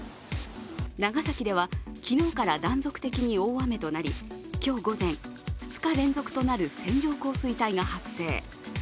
長崎では昨日から断続的に大雨となり今日午前、２日連続となる線状降水帯が発生。